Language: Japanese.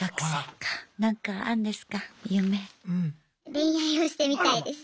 恋愛をしてみたいです。